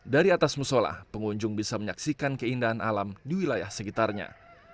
dari atas musola pengunjung bisa menyaksikan keindahan alam di wilayah sekitarnya